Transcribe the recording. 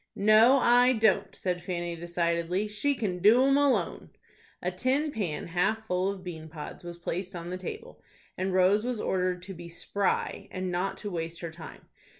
"No, I don't," said Fanny, decidedly. "She can do 'em alone." A tin pan half full of bean pods was placed on the table, and Rose was ordered to be "spry," and not to waste her time.